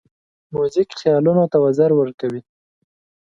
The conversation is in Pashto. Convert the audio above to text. موزیک خیالونو ته وزر ورکوي.